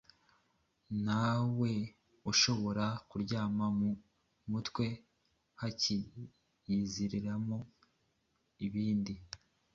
Nawe ushobora kuryama mu mutwe hakiyiziramo ibindi